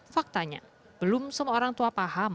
faktanya belum semua orang tua paham